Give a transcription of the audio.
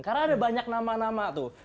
karena ada banyak nama nama tuh